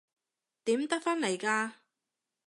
點得返嚟㗎？